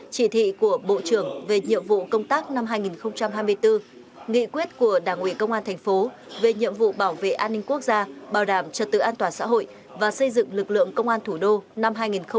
chỉ thị của bộ trưởng về nhiệm vụ công tác năm hai nghìn hai mươi bốn nghị quyết của đảng ủy công an thành phố về nhiệm vụ bảo vệ an ninh quốc gia bảo đảm trật tự an toàn xã hội và xây dựng lực lượng công an thủ đô năm hai nghìn hai mươi bốn